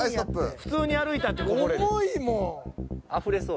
普通に歩いたってこぼれる。